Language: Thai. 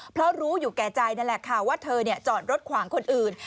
เพราะรู้อยู่แก่ใจนั่นแหละค่ะว่าเธอจอดรถขวางคนอื่น